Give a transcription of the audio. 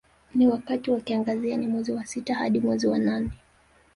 Ni wakati wa kiangazi yani mwezi wa sita hadi mwezi wa nane